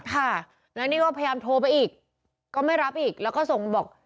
ค่ะแล้วนี่ก็พยายามโทรไปอีกก็ไม่รับอีกแล้วก็ส่งบอก